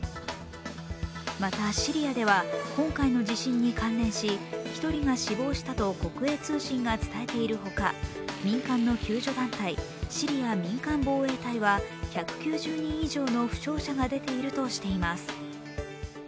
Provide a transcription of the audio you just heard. また、シリアでは今回の地震に関連し、１人が死亡したと国営通信が伝えているほか、民間の救助団体、シリア民間防衛隊は１９０人以上の負傷者が出ているとしてます。